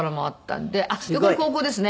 あっこれ高校ですね。